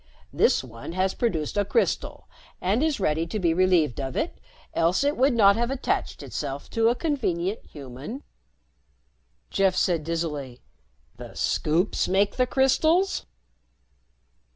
This one has produced a crystal and is ready to be relieved of it, else it would not have attached itself to a convenient human." Jeff said dizzily, "The Scoops make the crystals?"